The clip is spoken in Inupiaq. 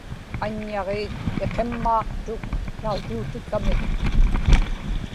aññaġiik iqimmaaqtuk tautuutikamik